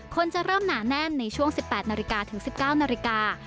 คนจะเริ่มหนาแน่นในช่วง๑๘นาฬิกาถึง๑๙นาฬิกา